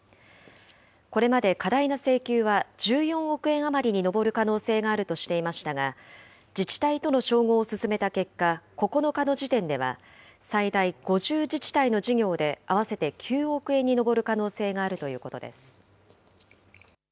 これまで過大な請求は１４億円余りに上る可能性があるとしていましたが、自治体との照合を進めた結果、９日の時点では、最大５０自治体の事業で合わせて９億円に上る可能性があるということです。